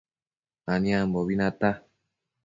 Aniambobi nata